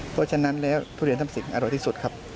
เพราะฉะนั้นแล้วทุเรียนทั้งสิ่งอร่อยที่สุดครับ